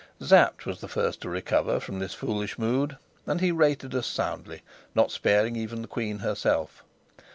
Sapt was the first to recover from this foolish mood, and he rated us soundly, not sparing even the queen herself.